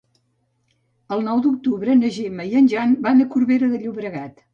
El nou d'octubre na Gemma i en Jan van a Corbera de Llobregat.